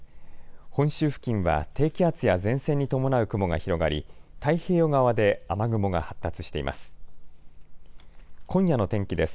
本州付近は低気圧や前線に伴う雲が広がり太平洋側で雨雲が発達しています。